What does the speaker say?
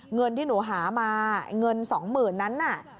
เงินที่หนูหามาเงิน๒๐๐๐นั้นน่ะ